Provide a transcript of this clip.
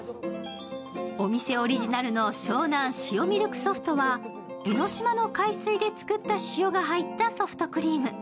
お店オリジナルの湘南塩みるくソフトは江の島の海水で作った塩が入ったソフトクリーム。